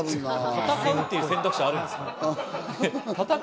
戦うっていう選択肢がありますか？